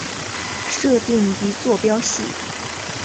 设定一坐标系。